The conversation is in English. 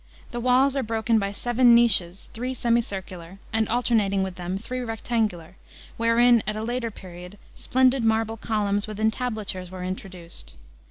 The walls are broken by seven niches, three semicircular, and, alternating with them, three rectangular, wherein, at a later period, splendid marble columns with entablatures were introduced.